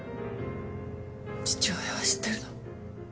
父親は知ってるの？